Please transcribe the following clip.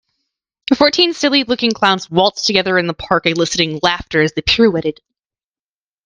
Fourteen silly looking clowns waltzed together in the park eliciting laughter as they pirouetted.